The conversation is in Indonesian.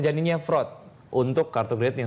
saetial tanpa kau ngurang